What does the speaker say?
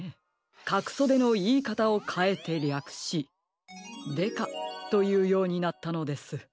「かくそで」のいいかたをかえてりゃくし「デカ」というようになったのです。